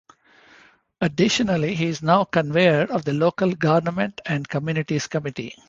Additionally, he is now Convener of the Local Government and Communities Committee.